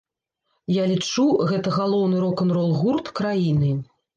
Я лічу, гэта галоўны рок-н-рол-гурт краіны.